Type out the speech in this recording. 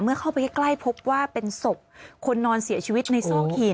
เข้าไปใกล้พบว่าเป็นศพคนนอนเสียชีวิตในซอกหิน